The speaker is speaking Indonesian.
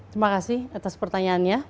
terima kasih atas pertanyaannya